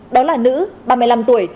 đó là nữ ba mươi năm tuổi